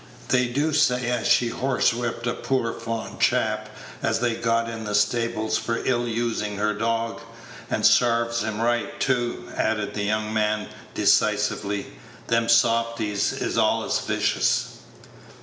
They do say as she horsewhipped a poor fond chap as they'd got in the stables for ill usin' her dog; and sarve him right too," added the young man, decisively. "Them softies is allus vicious."